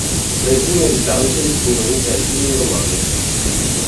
Tra i primi abitanti, vi furono i Celti e i Romani.